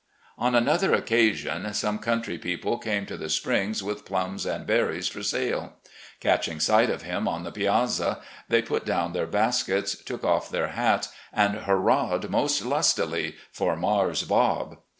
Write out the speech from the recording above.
On another occasion some country people came to the Springs with plums and berries for sale. Catching sight of him on the piazza, they put down their baskets, took off their hats, and hurrahed most lustily for "Marse Bob."